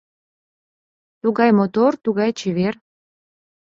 Тугай мотор, тугай чевер...